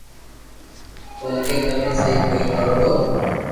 ڪويڪھ تمي سھي ڪوئي ڪرو ھون